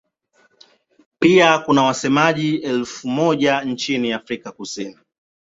Pia kuna wasemaji elfu moja nchini Afrika Kusini.